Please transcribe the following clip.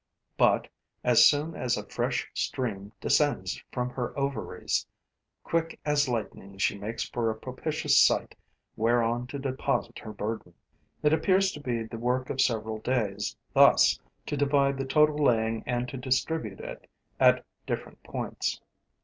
But, as soon as a fresh stream descends from her ovaries, quick as lightning she makes for a propitious site whereon to deposit her burden. It appears to be the work of several days thus to divide the total laying and to distribute it at different points.